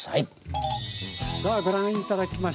さあご覧頂きましょう。